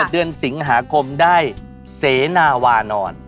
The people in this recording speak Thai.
เดือนสิงหาคมได้เสนาวานอน